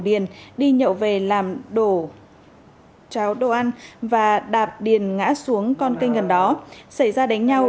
điển đi nhậu về làm đồ cháo đồ ăn và đạp điển ngã xuống con cây gần đó xảy ra đánh nhau